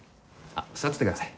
あっ座っててください。